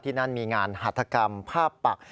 นั่นมีงานหัฐกรรมภาพปัก